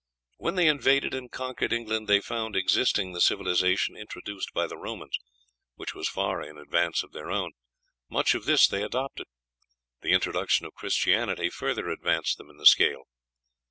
When they invaded and conquered England they found existing the civilization introduced by the Romans, which was far in advance of their own; much of this they adopted. The introduction of Christianity further advanced them in the scale.